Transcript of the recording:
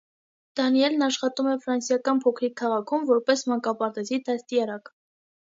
Դանիելն աշխատում է ֆրանսիական փոքրիկ քաղաքում որպես մանկապարտեզի դաստիարակ։